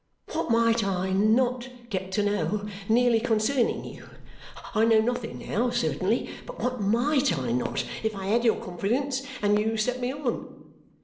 What might I not get to know, nearly concerning you? I know nothing now, certainly; but what MIGHT I not if I had your confidence, and you set me on?"